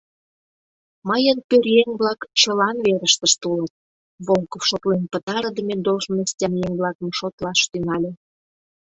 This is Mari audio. — Мыйын пӧръеҥ-влак чылан верыштышт улыт..: — Волков шотлен пытарыдыме должностян еҥ-влакым шотлаш тӱҥале.